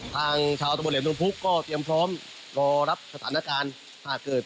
ทางชาวตระบวนเหลี่ยนตรงภูกษ์ก็เตรียมพร้อมรอรับสถานการณ์ถ้าเกิด